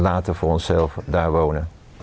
ลาทอยู่กัน